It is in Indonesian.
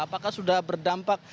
apakah sudah berdampak